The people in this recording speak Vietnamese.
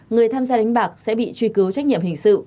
người tham gia đánh bạc sẽ bị truy cứu trách nhiệm hình sự